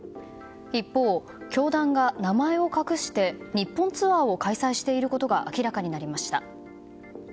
一方、教団が名前を隠して日本ツアーを開催していることが明らかになりました。